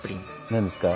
何ですか？